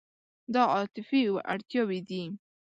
دا عاطفي اړتیاوې دي.